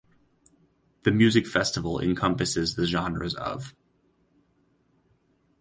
The music festival encompasses the genres of